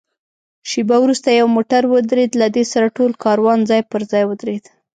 شېبه وروسته یو موټر ودرېد، له دې سره ټول کاروان ځای پر ځای ودرېد.